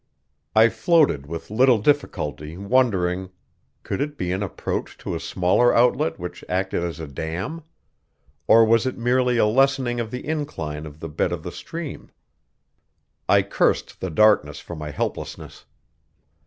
I floated with little difficulty, wondering could it be an approach to a smaller outlet which acted as a dam? Or was it merely a lessening of the incline of the bed of the stream? I cursed the darkness for my helplessness.